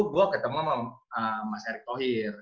gue ketemu sama mas erick thohir